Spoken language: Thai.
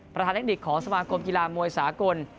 ประธานเทคนิคของสมาคมกีฬามวยสากล